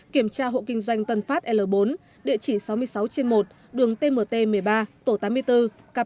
kiểm tra hộ kinh doanh tân phát l bốn địa chỉ sáu mươi sáu trên một đường tmt một mươi ba tổ tám mươi bốn k bốn